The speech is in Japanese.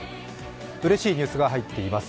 うれしいニュースが入っています。